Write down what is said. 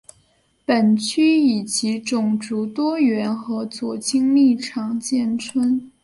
本区以其种族多元和左倾立场见称。